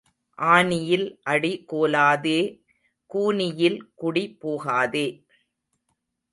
ஆனியில் அடி கோலாதே கூனியில் குடி போகாதே.